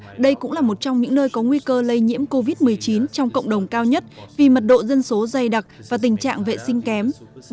và đây cũng là một trong những nơi có nguy cơ lây nhiễm covid một mươi chín trong cộng đồng cao nhất vì mật độ dân số dày đặc và tình trạng vệ sinh kém